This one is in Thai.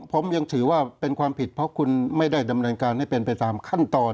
ผมยังถือว่าเป็นความผิดเพราะคุณไม่ได้ดำเนินการให้เป็นไปตามขั้นตอน